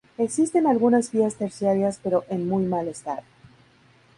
Existen algunas vías terciarias pero en muy mal estado.